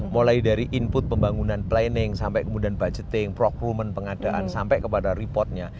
mulai dari input pembangunan planning sampai kemudian budgeting procurement pengadaan sampai kepada reportnya